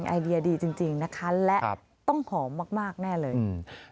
ไอเดียดีจริงนะคะและต้องหอมมากแน่เลย